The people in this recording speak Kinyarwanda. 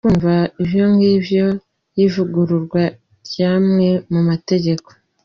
Bamaze kumva imvo n’imvano y’ivugururwa ry’amwe mu mategeko